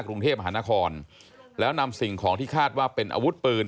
กรุงเทพมหานครแล้วนำสิ่งของที่คาดว่าเป็นอาวุธปืน